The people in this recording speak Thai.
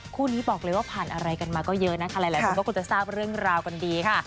คู่นี้บอกเลยว่าผ่านอะไรกันมาก็เยอะนะคะหลายคนก็คงจะทราบเรื่องราวกันดีค่ะ